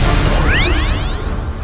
jangan lupa rakit hemat